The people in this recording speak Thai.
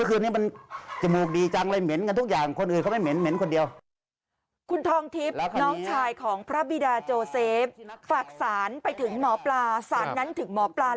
คุณท่องทิพย์น้องชายของพระบิดาโจเสฟฝากศาลไปถึงหมอปลาศาลนั้นถึงหมอปลาแล้ว